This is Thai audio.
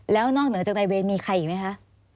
แล้วนอกเหนือจากในเวรมีใครอีกไหมคะ